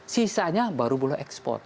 sisanya baru boleh ekspor